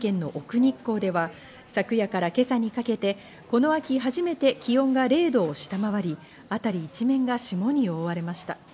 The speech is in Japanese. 日光では、昨夜から今朝にかけてこの秋、初めて気温が０度を下回り、辺り一面が霜に覆われました。